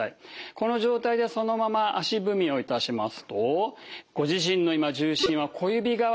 この状態でそのまま足踏みをいたしますとご自身の今重心は小指側にあるかもしれません。